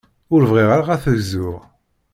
Ur bɣiɣ ara ad tegzuḍ.